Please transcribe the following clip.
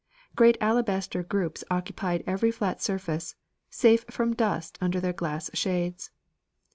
Great alabaster groups occupied every flat surface, safe from dust under their glass shades.